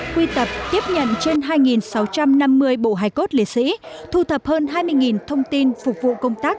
quy tập tiếp nhận trên hai sáu trăm năm mươi bộ hài cốt liệt sĩ thu thập hơn hai mươi thông tin phục vụ công tác